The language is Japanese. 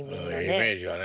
イメージがね。